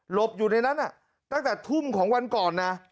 บอยู่ในนั้นตั้งแต่ทุ่มของวันก่อนนะ